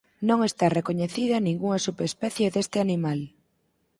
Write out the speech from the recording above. Non está recoñecida ningunha subespecie deste animal.